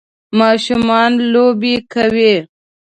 ماشومان لوبې کوي